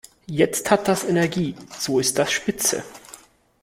Jetzt hat das Energie, so ist das spitze.